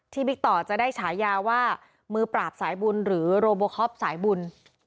บิ๊กต่อจะได้ฉายาว่ามือปราบสายบุญหรือโรโบคอปสายบุญ